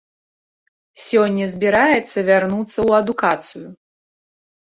Сёння збіраецца вярнуцца ў адукацыю.